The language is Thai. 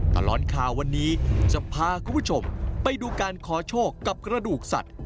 ตลอดข่าววันนี้จะพาคุณผู้ชมไปดูการขอโชคกับกระดูกสัตว์